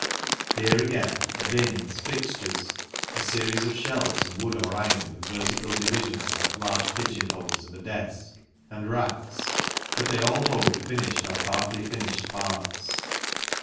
Here, again, are bins, fixtures (a series of shelves in wood or iron with vertical divisions like large pigeon holes of a desk), and racks, but they all hold finished or partly finished parts.